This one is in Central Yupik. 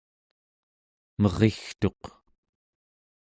merigtuq